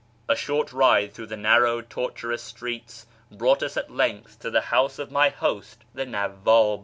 A short ride through the narrow, tortuous streets brought us at length to the house of my host, the Nawwab.